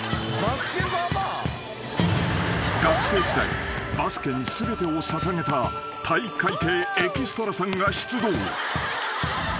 ［学生時代バスケに全てを捧げた体育会系エキストラさんが出動］